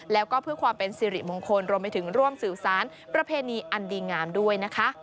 แล้วก็เพื่อความเป็นสิริมงคลรวมไปถึงร่วมสื่อสารประเพณีอันดีงามด้วยนะคะ